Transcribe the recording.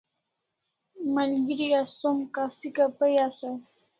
Malgeri as som kasika pai asaw